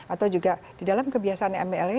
atau juga di dalam kebiasaan mla